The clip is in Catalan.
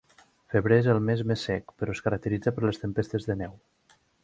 Febrer és el mes més sec, però es caracteritza per les tempestes de neu.